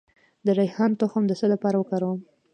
د ریحان تخم د څه لپاره وکاروم؟